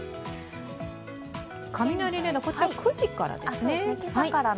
雷レーダー、こちら、９時からですね。